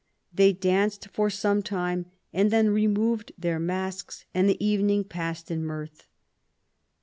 They danced for some time and then removed their masks, and the evening passed in mirth.